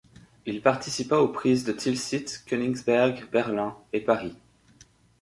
Il participa aux prises de Tilsit, de Koenigsberg, Berlin et Paris.